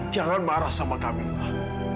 jangan marah sama kamilah